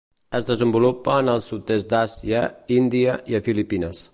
Es desenvolupa en el sud-est d'Àsia, Índia i a Filipines.